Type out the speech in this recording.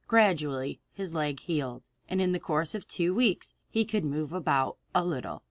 Gradually his leg healed, and in the course of two weeks he could move about a little.